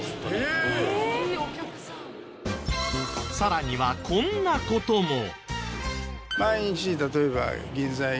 さらにはこんな事も！